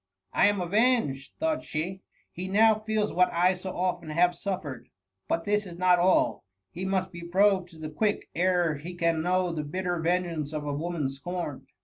'^ I am avenged,^ thought she; be now feels what I so often have sufiered. But this is not all ; he must be probed to the quick ere he ean know the bitter vengeance of a woman scorned.